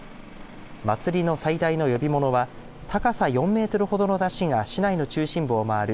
祭りの最大の呼び物は高さ４メートルほどの山車が市内の中心部を回る